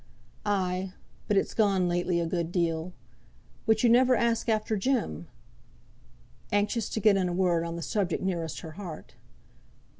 "Ay, but it's gone lately a good deal. But you never ask after Jem " anxious to get in a word on the subject nearest her heart.